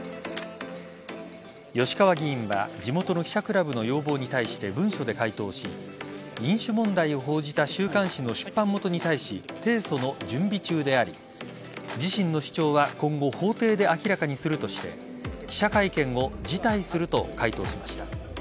吉川議員は地元の記者クラブの要望に対して文書で回答し飲酒問題を報じた週刊誌の出版元に対し提訴の準備中であり自身の主張は今後、法廷で明らかにするとして記者会見を辞退すると回答しました。